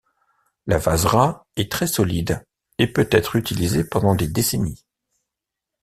La wazra est très solide et peut être utilisée pendant des décennies.